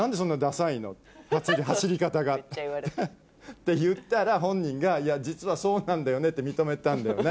走り方がって言ったら本人がいや実はそうなんだよねって認めたんだよね。